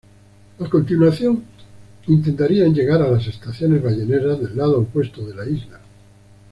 A continuación, intentarían llegar a las estaciones balleneras del lado opuesto de la isla.